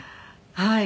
はい。